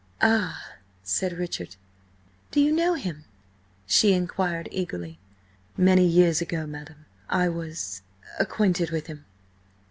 "Ah!" said Richard. "Do you know him?" she inquired eagerly. "Many years ago, madam, I was–acquainted with him.